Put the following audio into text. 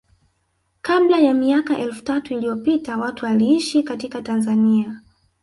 kabla ya miaka elfu tatu iliyopita watu walioishi katika Tanzania